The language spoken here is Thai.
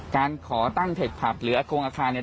การตั้งเถ็ดผับหรือห่างคงอาคาร